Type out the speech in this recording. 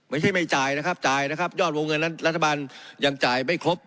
ไม่ใช่ไม่จ่ายนะครับจ่ายนะครับยอดวงเงินนั้นรัฐบาลยังจ่ายไม่ครบ